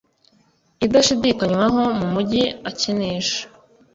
idashidikanywaho mumujyi Akinisha